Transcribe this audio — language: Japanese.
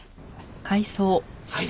はい。